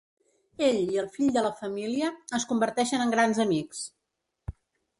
Ell i el fill de la família es converteixen en grans amics.